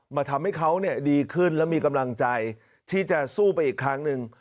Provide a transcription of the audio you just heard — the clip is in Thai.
ทำให้เขาดีขึ้นและมีกำลังใจที่จะสู้ไปอีกครั้งหนึ่ง